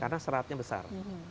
karena seratnya besar